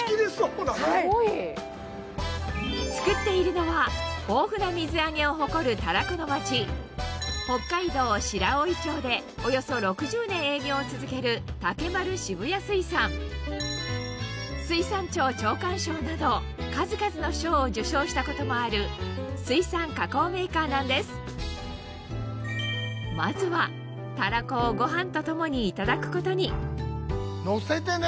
作っているのは豊富な水揚げを誇る北海道白老町でおよそ６０年営業を続ける水産庁長官賞など数々の賞を受賞したこともある水産加工メーカーなんですまずはたらこをご飯と共にいただくことにのせてね。